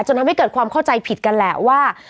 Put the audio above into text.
ทำให้เกิดความเข้าใจผิดกันแหละว่า